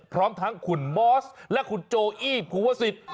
พร้อมทั้งคุณมอสและคุณโจอี้ภูวสิทธิ